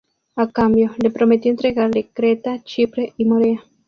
A cambio, le prometió entregarle Creta, Chipre y Morea.